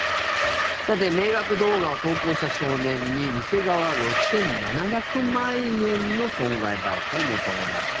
迷惑動画を投稿した少年に店側は６７００万円の損害賠償を求めました。